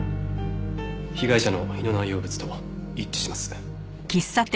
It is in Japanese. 被害者の胃の内容物と一致します。